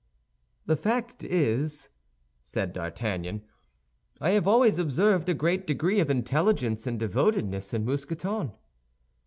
"The fact is," said D'Artagnan, "I have always observed a great degree of intelligence and devotedness in Mousqueton."